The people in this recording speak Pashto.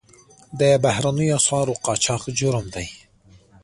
د بهرنیو اسعارو قاچاق جرم دی